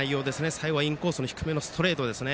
最後はインコースの低めのストレートですね